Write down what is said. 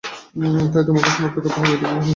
তাই তোমাকেই সনাক্ত করতে হবে, এটা কি রেহান?